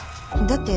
だって